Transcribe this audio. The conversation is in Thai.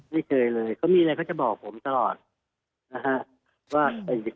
ไม่เคยเลยเขามีอะไรเขาจะบอกผมตลอดนะฮะว่า